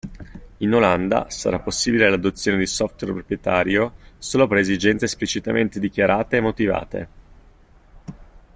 In Olanda sarà possibile l'adozione di software proprietario solo per esigenze esplicitamente dichiarate e motivate.